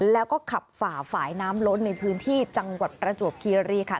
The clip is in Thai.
แล้วก็ขับฝ่าฝ่ายน้ำล้นในพื้นที่จังหวัดประจวบคีรีค่ะ